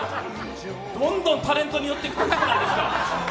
どんどんタレントに寄ってくるじゃないですか。